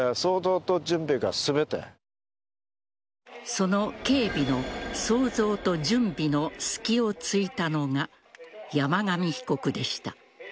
その警備の想像と準備の隙を突いたのが山上被告でした。